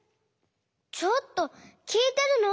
ちょっときいてるの？